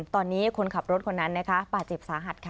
ตอนนี้คนขับรถคนนั้นบาดเจ็บสาหัสค่ะ